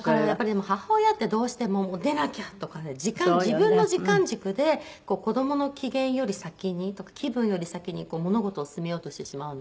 でも母親ってどうしても出なきゃ！とかね時間自分の時間軸で子どもの機嫌より先にとか気分より先に物事を進めようとしてしまうので。